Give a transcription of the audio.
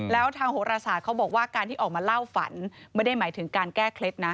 แล้วทางโหรศาสตร์เขาบอกว่าการที่ออกมาเล่าฝันไม่ได้หมายถึงการแก้เคล็ดนะ